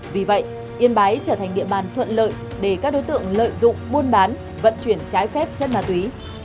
vì vậy yên bái trở thành địa bàn thuận lợi để các đối tượng lợi dụng buôn bán vận chuyển trái phép chất ma túy